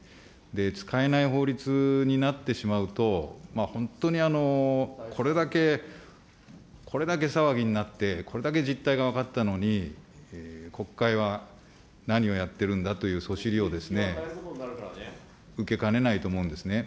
使えない法律になってしまうと、本当にこれだけ、これだけ騒ぎになって、これだけ実態が分かったのに、国会は何をやってるんだというそしりを受けかねないと思うんですね。